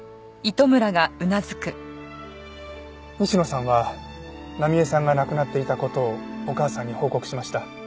西野さんは奈美絵さんが亡くなっていた事をお母さんに報告しました。